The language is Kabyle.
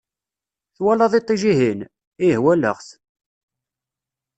Twalaḍ iṭij-ihin? Ih walaɣ-t!